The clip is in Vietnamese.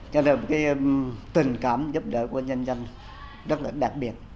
cho nên cái tình cảm giúp đỡ của nhân dân rất là đặc biệt